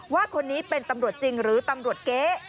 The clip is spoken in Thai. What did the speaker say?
ว่าคนนี้เป็นตำรวจจริงหรือตำรวจเก๊